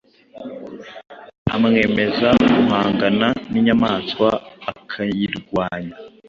amwemeza guhangana ninyamaswa akayirwanya